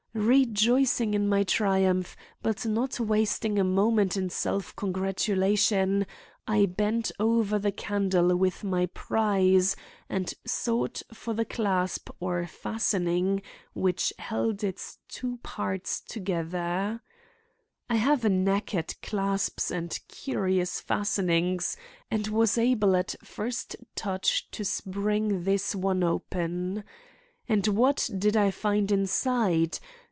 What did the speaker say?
Rejoicing in my triumph, but not wasting a moment in self congratulation, I bent over the candle with my prize and sought for the clasp or fastening which held its two parts together. I have a knack at clasps and curious fastenings and was able at first touch to spring this one open. And what did I find inside?